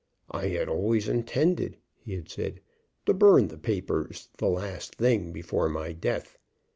"I had always intended," he had said, "to burn the papers the last thing before my death.